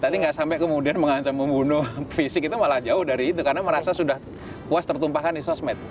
tadi nggak sampai kemudian mengancam membunuh fisik itu malah jauh dari itu karena merasa sudah puas tertumpahkan di sosmed